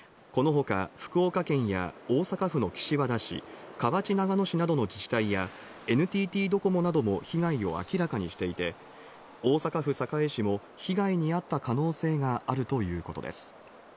この他、福岡県や大阪府の岸和田市、河内長野市などの自治体やＮＴＴドコモなども被害を明らかにしていて、大阪府堺市も被害にあった可能性があるということです。